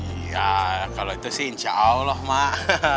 iya kalau itu sih insya allah mak